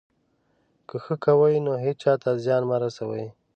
که ښه کوئ، نو هېچا ته زیان مه رسوئ.